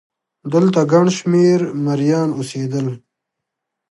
دلته ګڼ شمېر مریان اوسېدل